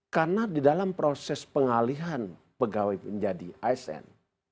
karena di dalam proses pengalihan pegawai menjadi asn